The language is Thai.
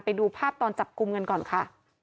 ไปดูภาพตอนจับกลุ่มกันก่อนค่ะ